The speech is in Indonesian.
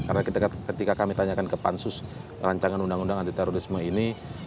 karena ketika kami tanyakan ke pansus rancangan undang undang anti terorisme ini